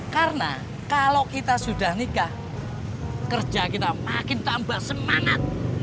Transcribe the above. karena kalau kita sudah nikah kerja kita makin tambah semangat